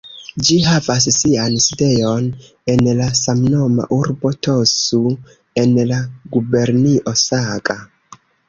Ĝi havas sian sidejon en la samnoma urbo "Tosu" en la gubernio Saga.